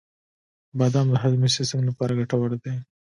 • بادام د هاضمې سیسټم لپاره ګټور دي.